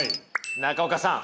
中岡さん